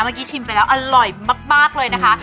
เมื่อกี้ชิมไปแล้วอร่อยมากเลยนะคะ